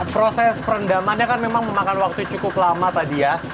proses perendamannya kan memang memakan waktu cukup lama tadi ya